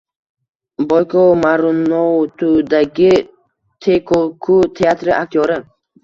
Bayko Marunoutidagi Teykoku teatri aktyori